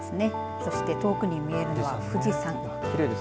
そして遠くに見えるのは富士山。